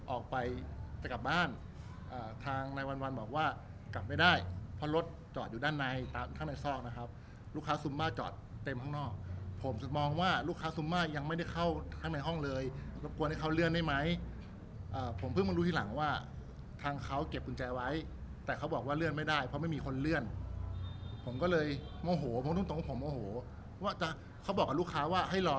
ออกไปจะกลับบ้านทางในวันวันบอกว่ากลับไม่ได้เพราะรถจอดอยู่ด้านในตามข้างในซอกนะครับลูกค้าซุมมาจอดเต็มข้างนอกผมถึงมองว่าลูกค้าซุมมายังไม่ได้เข้าข้างในห้องเลยรบกวนให้เขาเลื่อนได้ไหมผมเพิ่งมารู้ทีหลังว่าทางเขาเก็บกุญแจไว้แต่เขาบอกว่าเลื่อนไม่ได้เพราะไม่มีคนเลื่อนผมก็เลยโมโหผมตรงตรงว่าผมโมโหว่าจะเขาบอกกับลูกค้าว่าให้รอ